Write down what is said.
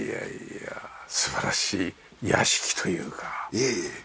いえいえ。